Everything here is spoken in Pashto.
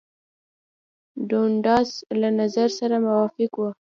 دونډاس له نظر سره موافق وو.